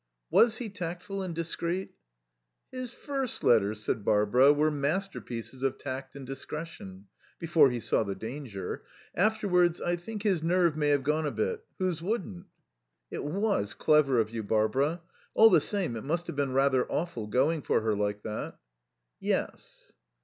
"Was he tactful and discreet?" "His first letters," said Barbara, "were masterpieces of tact and discretion. Before he saw the danger. Afterwards I think his nerve may have gone a bit. Whose wouldn't?" "It was clever of you, Barbara. All the same, it must have been rather awful, going for her like that." "Yes."